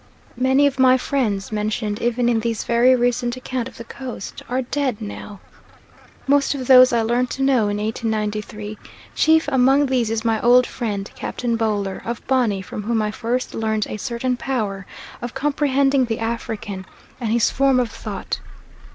Many of my friends mentioned even in this very recent account of the Coast "are dead now." Most of those I learnt to know in 1893; chief among these is my old friend Captain Boler, of Bonny, from whom I first learnt a certain power of comprehending the African and his form of thought.